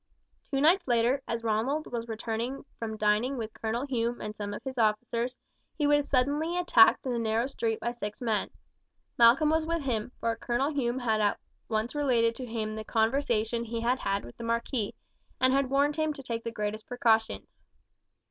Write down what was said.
Two nights later, as Ronald was returning from dining with Colonel Hume and some of his officers, he was suddenly attacked in a narrow street by six men. Malcolm was with him, for Colonel Hume had at once related to him the conversation he had had with the marquis, and had warned him to take the greatest precautions.